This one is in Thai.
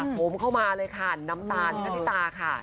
ผมเข้ามาเลยค่ะน้ำตาลชะนิตาค่ะ